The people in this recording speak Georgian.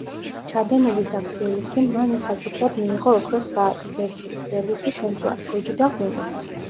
ჩადენილი საქციელისთვის მან საჩუქრად მიიღო ოქროს საათი, ვერცხლის სერვისი, შემწვარი გოჭი და ღვინო.